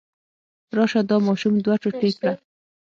راشه دا ماشوم دوه ټوټې کړه.